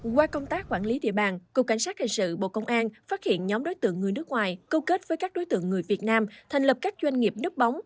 qua công tác quản lý địa bàn cục cảnh sát hình sự bộ công an phát hiện nhóm đối tượng người nước ngoài câu kết với các đối tượng người việt nam thành lập các doanh nghiệp nước bóng